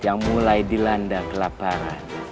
yang mulai dilanda kelaparan